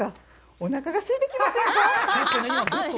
おなかがすいてきましたよね。